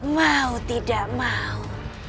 mau tidak mau